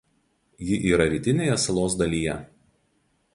Ji yra rytinėje salos dalyje.